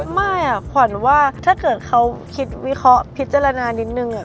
ไม่ขวัญว่าถ้าเกิดเขาคิดวิเคราะห์พิจารณานิดนึง